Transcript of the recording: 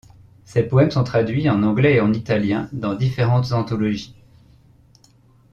Ses poèmes sont traduits en anglais et en italien dans différentes anthologies.